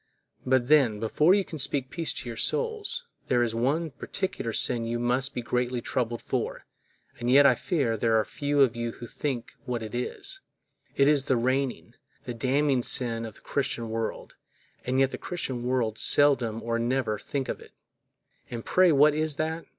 But then, before you can speak peace to your souls, there is one particular sin you must be greatly troubled for, and yet I fear there are few of you think what it is; it is the reigning, the damning sin of the Christian world, and yet the Christian world seldom or never think of it. And pray what is that?